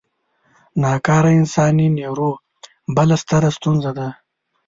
نا کاره انساني نیرو بله ستره ستونزه ده.